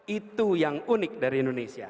itu yang unik dari indonesia